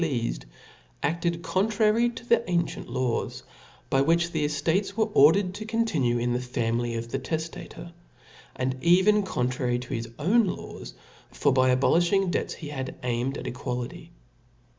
» of Solon, pleafed, aaed contrary to the ancient laws, by which the eftates were ordered to continue in (1) Ibid, ^j^g family of the teftator (); and even contrary to his own laws, for by abolilhing debts, Jie had aimed at equality.